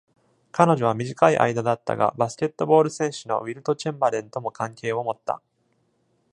彼女は短い間だったがバスケットボール選手のウィルト・チェンバレンとも関係を持った。